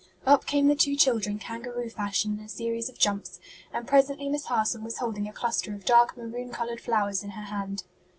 Up came the two children kangaroo fashion in a series of jumps, and presently Miss Harson was holding a cluster of dark maroon colored flowers in her hand.